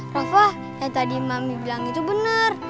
rafa yang tadi mami bilang itu benar